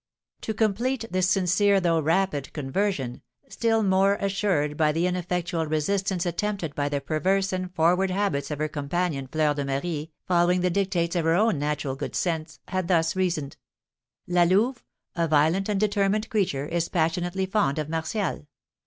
To complete this sincere though rapid conversion, still more assured by the ineffectual resistance attempted by the perverse and froward habits of her companion, Fleur de Marie, following the dictates of her own natural good sense, had thus reasoned: "La Louve, a violent and determined creature, is passionately fond of Martial.